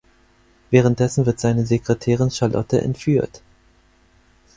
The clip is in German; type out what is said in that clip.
Währenddessen wird seine Sekretärin Charlotte entführt.